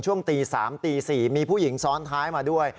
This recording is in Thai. ช่วงตี๓ตี๔มีผู้หญิงซ้อนท้ายมาด้วย